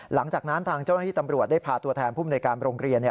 หลังจากนั้นทางเจ้าหน้าที่ตำรวจได้พาตัวแทนผู้มนุยการโรงเรียน